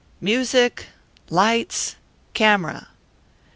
Music, lights, camera!"